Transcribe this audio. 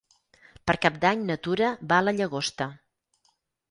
Per Cap d'Any na Tura va a la Llagosta.